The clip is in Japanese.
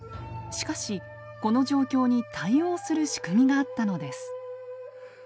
しかしこの状況に対応する仕組みがあったのです。